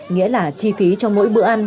nghĩa là chi phí cho mỗi bữa ăn